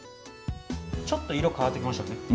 ちょっと色変わってきましたよね。